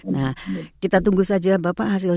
nah kita tunggu saja bapak hasil